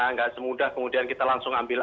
nggak semudah kemudian kita langsung ambil